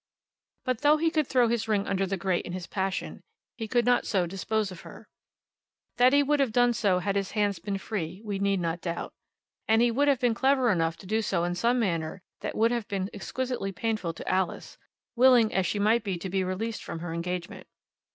But though he could throw his ring under the grate in his passion, he could not so dispose of her. That he would have done so had his hands been free, we need not doubt. And he would have been clever enough to do so in some manner that would have been exquisitely painful to Alice, willing as she might be to be released from her engagement.